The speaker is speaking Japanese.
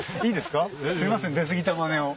すいません出過ぎたまねを。